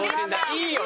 いいよ！